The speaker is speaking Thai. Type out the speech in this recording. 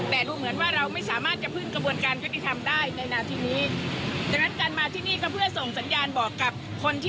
แต่ที่เขาไม่ได้ลุกขึ้นมาเพราะเขาหวังว่าคุณจะทำหน้าที่ของคุณได้อย่างศักดิ์สิทธิ์